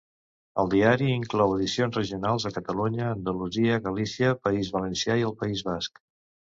El diari inclou edicions regionals a Catalunya, Andalusia, Galícia, País Valencià i el País Basc.